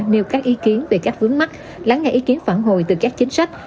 nêu các ý kiến về cách vướng mắt lắng ngay ý kiến phản hồi từ các chính sách